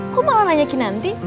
kok malah nanya kinanti